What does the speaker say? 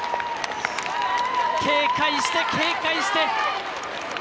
警戒して、警戒して。